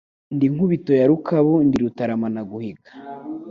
Ndi Nkubito ya Rukabu ndi rutaramanaguhiga